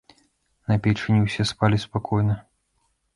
На печы не ўсе спалі спакойна.